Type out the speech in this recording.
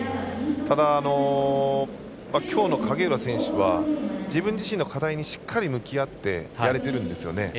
ただ、きょうの影浦選手は自分自身の課題にしっかり向き合ってやれてるんですよね。